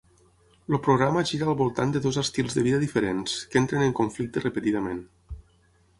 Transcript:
El programa gira al voltant de dos estils de vida diferents que entren en conflicte repetidament.